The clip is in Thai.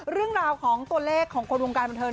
เรื่องราวของตัวเลขของคนวงการบันเทิง